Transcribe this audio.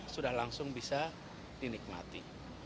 sudah langsung bisa dinikmati